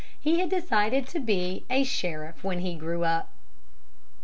He had decided to be a sheriff when he grew up.